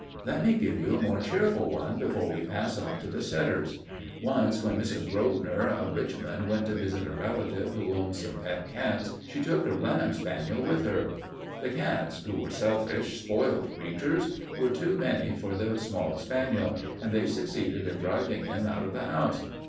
"Let me give you a more cheerful one before we pass on to the setters. Once when Mrs. Grosvenor of Richmond went to visit a relative who owned some pet cats, she took her Blenheim spaniel with her. The cats, who were selfish, spoiled creatures, were too many for the small spaniel, and they succeeded in driving him out of the house.